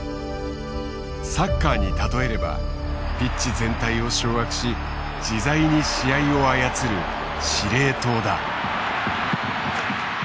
サッカーに例えればピッチ全体を掌握し自在に試合を操る司令塔だ。